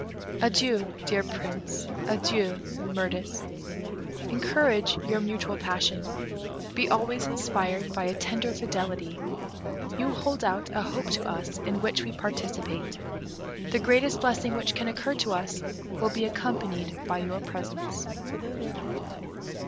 Adieu, dear Prince, adieu, Mirtis. Encourage your mutual passion. Be always inspired by a tender fidelity. You hold out a hope to us in which we participate. The greatest blessing which can occur to us will be accompanied by your presence."